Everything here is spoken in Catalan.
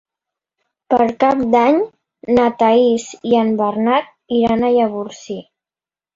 Per Cap d'Any na Thaís i en Bernat iran a Llavorsí.